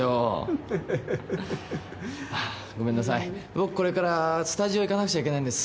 僕これからスタジオ行かなくちゃいけないんです。